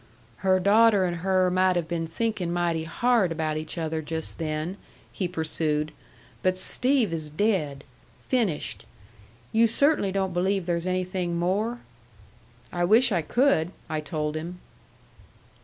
"Her daughter and her might have been thinkin' mighty hard about each other just then," he pursued. "But Steve is dead. Finished. You cert'nly don't believe there's anything more?" "I wish I could," I told him.